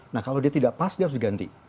nah kalau dia tidak pas dia harus diganti